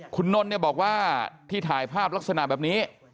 คุณนนท์เนี่ยบอกว่าที่ถ่ายภาพลักษณะแบบนี้